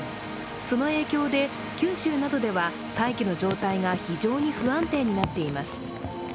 その影響で、九州などでは大気の状態が非常に不安定になっています。